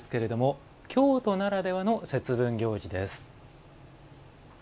「京都ならではの節分行事」。